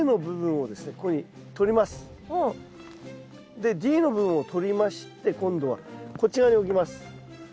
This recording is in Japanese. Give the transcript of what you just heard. でＤの部分を取りまして今度はこっち側に置きます。